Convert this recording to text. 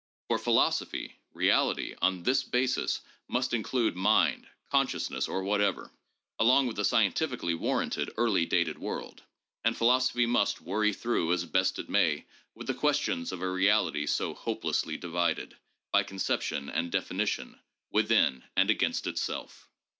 For philosophy, reality, on this basis, must include 'mind,' 'conscious ness, ' or whatever, along with the scientifically warranted early dated world ; and philosophy must worry through, as best it may, with the questions of a reality so hopelessly divided, by conception and defini tion, within and against itself.